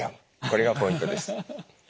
これがポイントです。